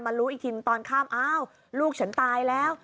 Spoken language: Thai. รู้อีกทีตอนข้ามอ้าวลูกฉันตายแล้ว